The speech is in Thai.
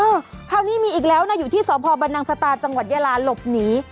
คราวนี้มีอีกแล้วนะอยู่ที่สพบรังสตาจังหวัดยาลาหลบหนี